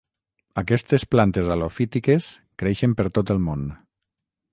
Aquestes plantes halofítiques creixen per tot el món.